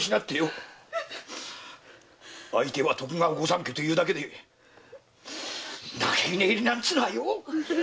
相手が徳川御三家というだけで泣き寝入りなんてのはよ！